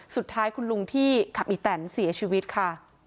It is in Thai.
สุดท้ายคุณลุงที่ขับอีแตนเสียชีวิตค่ะ